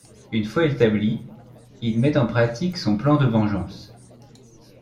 Une fois établi, il met en pratique son plan de vengeance.